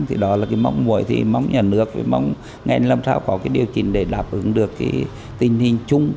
thì đó là mong mọi mong nhà nước mong ngành làm sao có điều chỉnh để đáp ứng được tình hình chung